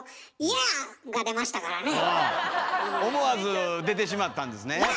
思わず出てしまったんですね。